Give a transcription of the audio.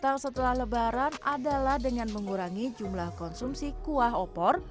yang setelah lebaran adalah dengan mengurangi jumlah konsumsi kuah opor